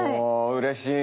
うれしい。